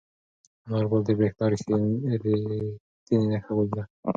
انارګل د بریا رښتینې نښه ولیده.